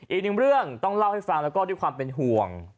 อีกหนึ่งเรื่องต้องเล่าให้ฟังแล้วก็ด้วยความเป็นห่วง